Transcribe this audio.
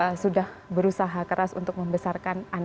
dan beliau sudah berusaha keras untuk membesarkan anaknya